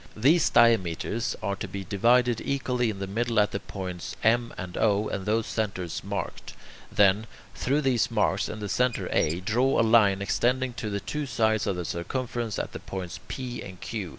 These diameters are to be divided equally in the middle at the points M and O, and those centres marked; then, through these marks and the centre A, draw a line extending to the two sides of the circumference at the points P and Q.